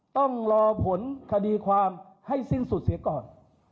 ต้องรอผลคดีความให้สิ้นสุดเสียก่อน